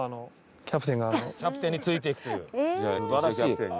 キャプテンについていくという。